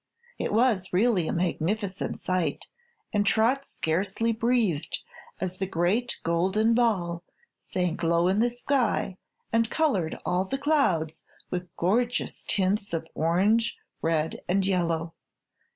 It was really a magnificent sight and Trot scarcely breathed as the great golden ball sank low in the sky and colored all the clouds with gorgeous tints of orange, red and yellow.